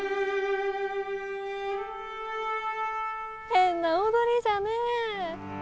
変な踊りじゃねえ！